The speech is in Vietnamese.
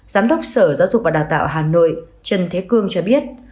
giám đốc sở giáo dục và đào tạo hà nội trần thế cương cho biết